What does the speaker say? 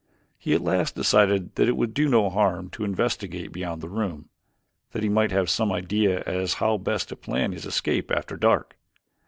He at last decided that it would do no harm to investigate beyond the room, that he might have some idea as how best to plan his escape after dark.